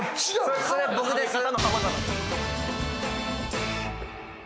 それ僕ですえっ？